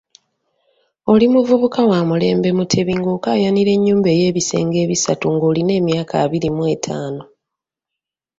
Oli muvubuka wa mulembe Mutebi ng'okaayanira nnyumba ey'ebisenge ebisatu ng'olina emyaka abiri mw'etaano.